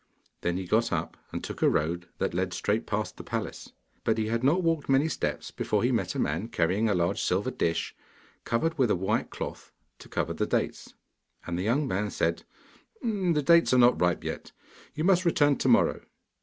Then he got up and took a road that led straight past the palace, but he had not walked many steps before he met a man carrying a large silver dish, covered with a white cloth to cover the dates. And the young man said, 'The dates are not ripe yet; you must return to morrow.